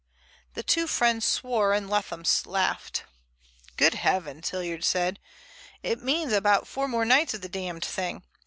The two friends swore and Leatham laughed. "Good heavens," Hilliard cried, "it means about four more nights of the damned thing.